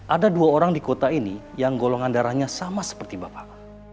ada dua orang di kota ini yang golongan darahnya sama seperti bapak